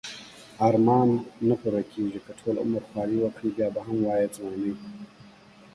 ارمان نه پوره کیږی که ټول عمر خواری وکړی بیا به هم وایی ځوانی